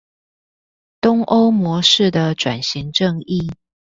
東歐模式的轉型正義